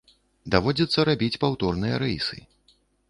Даводзіцца рабіць паўторныя рэйсы.